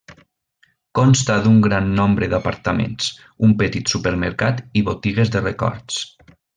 Consta d'un gran nombre d'apartaments, un petit supermercat i botigues de records.